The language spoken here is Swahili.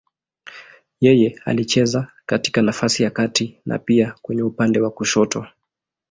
Yeye alicheza katika nafasi ya kati na pia kwenye upande wa kushoto.